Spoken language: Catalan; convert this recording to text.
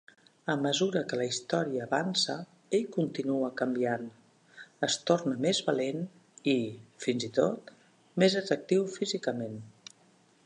A mesura que la història avança, ell continua canviant. Es torna més valent i, fins i tot, més atractiu físicament.